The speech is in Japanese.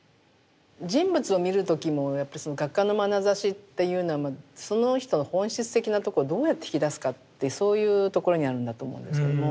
人物を見る時もやっぱりその画家のまなざしっていうのはその人の本質的なとこをどうやって引き出すかってそういうところにあるんだと思うんですけれども。